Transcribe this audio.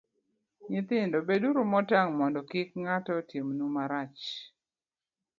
Nyithindo, beduru motang' mondo kik ng'ato timnu marach.